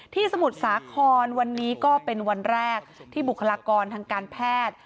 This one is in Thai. สมุทรสาครวันนี้ก็เป็นวันแรกที่บุคลากรทางการแพทย์